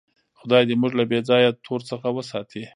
خدای دې موږ له بېځایه تور څخه وساتي.